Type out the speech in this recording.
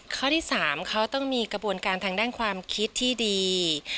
ข้อที่๓เขาต้องมีกระบวนการทางด้านความคิดที่ดี